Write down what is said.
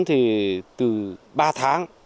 thì từ ba tháng